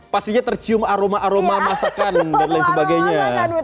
pastinya tercium aroma aroma masakan dan lain sebagainya